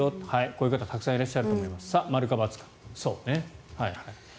こういう方、たくさんいらっしゃると思います。